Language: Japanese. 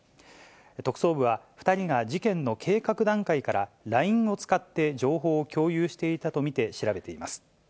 特捜部は、２人が事件の計画段階から、ＬＩＮＥを使って情報を共有していたと見て調べています。